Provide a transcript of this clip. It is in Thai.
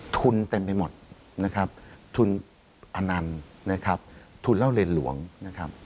ทุนเต็มไปหมดนะครับทุนอนันต์นะครับทุนเล่าเรียนหลวงนะครับ